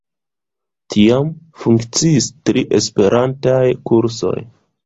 Tiam funkciis tri esperantaj kursoj.